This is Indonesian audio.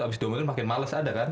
abis dua milen makin males ada kan